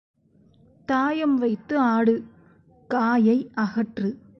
தாயம் வைத்து ஆடு, காயை அகற்று.